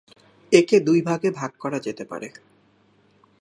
একে দুই ভাগে ভাগ করা যেতে পারে।